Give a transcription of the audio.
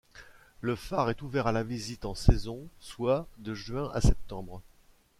Le phare est ouvert à la visite en saison, soit de juin à septembre.